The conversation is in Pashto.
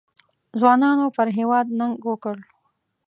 ځوانانو پر هېواد ننګ وکړ.